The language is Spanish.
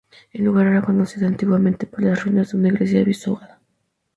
El lugar era conocido antiguamente por las ruinas de una iglesia visigoda.